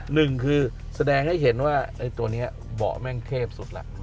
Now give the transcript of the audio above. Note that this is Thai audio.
หนึ่งคือแสดงให้เห็นว่าไอ้ตัวนี้เบาะแม่งเทพสุดแล้ว